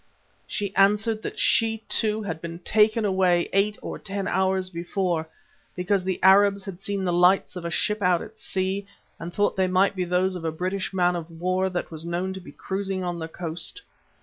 She answered that she, too, had been taken away eight or ten hours before, because the Arabs had seen the lights of a ship out at sea, and thought they might be those of a British man of war that was known to be cruising on the coast.